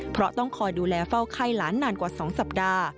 เพราะต้องคอยดูแลเฝ้าไข้หลานนานกว่า๒สัปดาห์